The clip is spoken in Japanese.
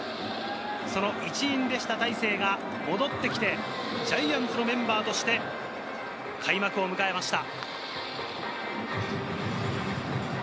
その一員でした大勢が戻って来てジャイアンツのメンバーとして開幕を迎えました。